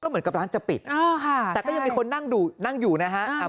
ก็เหมือนกำลังจะปิดแต่ก็ยังมีคนนั่งอยู่นะครับ